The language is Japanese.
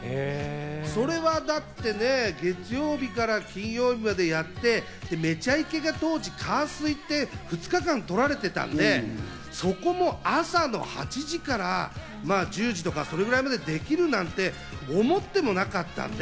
それはだってね、月曜日から金曜日までやって、『めちゃイケ』が当時、火・水、２日間取られてたんで、そこも朝の８時から１０時とか、それぐらいまでできるなんて思ってもなかったんで。